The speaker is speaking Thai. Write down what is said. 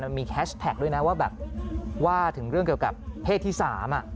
มันมีแฮชแพคด้วยนะว่าถึงเรื่องเกี่ยวกับเพศที่สาม